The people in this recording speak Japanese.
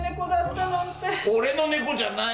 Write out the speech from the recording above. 俺のネコじゃない。